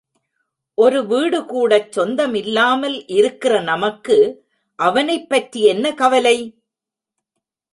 ஒரு வீடுகூடச் சொந்தம் இல்லாமல் இருக்கிற நமக்கு அவனைப் பற்றி என்ன கவலை?